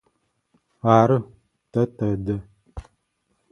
Ары, тэ тэдэ.